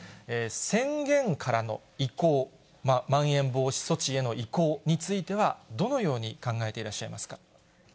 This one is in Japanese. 宣言からの移行、まん延防止措置への移行については、どのように考えていらっしゃいますか？